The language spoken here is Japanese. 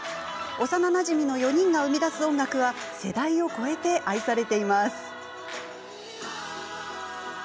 幼なじみの４人が生み出す音楽は世代を超えて愛されています。